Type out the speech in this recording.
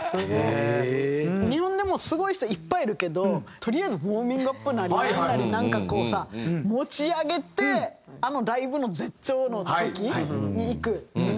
日本でもすごい人いっぱいいるけどとりあえずウォーミングアップなりなんなりなんかこうさ持ち上げてあのライブの絶頂の時にいく皆さん。